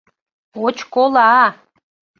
— Очкола!..